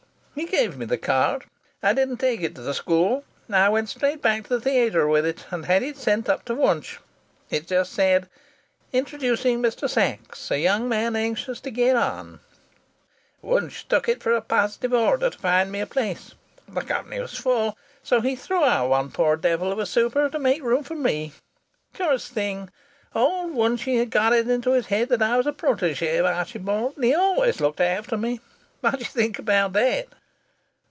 "He gave me the card. I didn't take it to the school. I went straight back to the theatre with it, and had it sent up to Wunch. It just said, 'Introducing Mr. Sachs, a young man anxious to get on.' Wunch took it for a positive order to find me a place. The company was full, so he threw out one poor devil of a super to make room for me. Curious thing old Wunchy got it into his head that I was a protége of Archibald's, and he always looked after me. What d'ye think about that?"